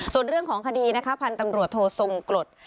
ส่วนเรื่องของคดีนะคะพันธุ์ตำรวจโททรงกรด